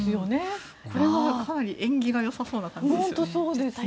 これはかなり縁起がよさそうな感じですよね。